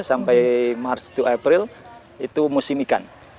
dari maret sampai april itu musim ikan